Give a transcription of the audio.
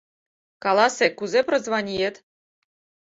Каласе, кузе прозваниет?